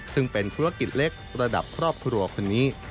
ซึ่งเป็นธุรกิจเล็กระดับครอบครัวคนนี้